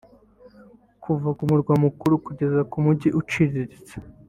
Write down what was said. kuva ku murwa mukuru kugera ku mujyi uciriritse